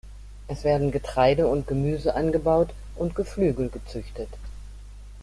Es werden Getreide und Gemüse angebaut und Geflügel gezüchtet.